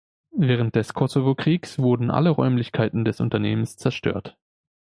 Während des Kosovokriegs wurden alle Räumlichkeiten des Unternehmens zerstört.